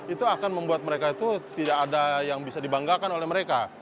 itu akan membuat mereka itu tidak ada yang bisa dibanggakan oleh mereka